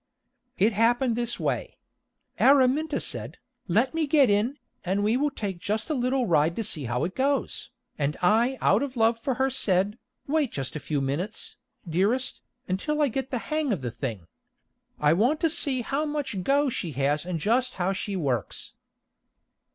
It happened this way. Araminta said, "Let me get in, and we will take just a little ride to see how it goes," and I out of my love for her said, "Wait just a few minutes, dearest, until I get the hang of the thing. I want to see how much go she has and just how she works."